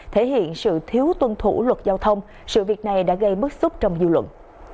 thể hiện sự thiếu tuân thủ luật giao thông sự việc này đã gây bức xúc trong dư luận